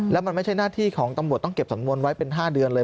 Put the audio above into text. แล้วมันไม่ใช่หน้าที่ของตำรวจต้องเก็บสำนวนไว้เป็น๕เดือนเลย